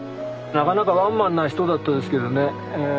なかなかワンマンな人だったですけどね